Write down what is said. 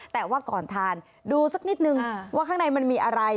แต่ว่าก่อนทานดูสักนิดนึงว่าข้างในมันมีอะไร